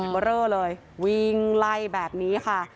เบอร์เรอเลยวิ่งไล่แบบนี้ค่ะ